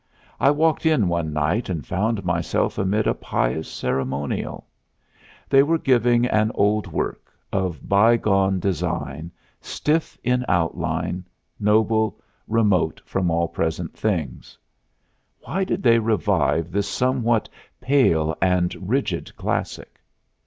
I walked in one night and found myself amid a pious ceremonial. They were giving an old work, of bygone design, stiff in outline, noble, remote from all present things. Why did they revive this somewhat pale and rigid classic?